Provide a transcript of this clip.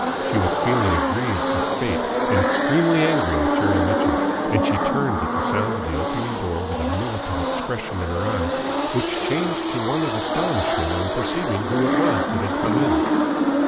She was feeling aggrieved with Fate and extremely angry with Jerry Mitchell, and she turned at the sound of the opening door with a militant expression in her eyes, which changed to one of astonishment on perceiving who it was that had come in.